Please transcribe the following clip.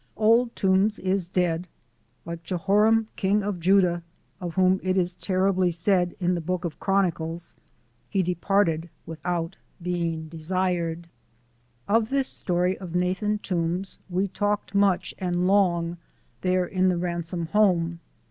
Old Toombs is dead. Like Jehoram, King of Judah, of whom it is terribly said in the Book of Chronicles, "he departed without being desired." Of this story of Nathan Toombs we talked much and long there in the Ransome home.